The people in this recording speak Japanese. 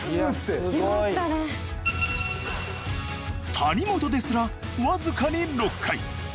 谷本ですら僅かに６回。